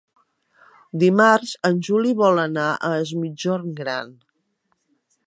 Dimarts en Juli vol anar a Es Migjorn Gran.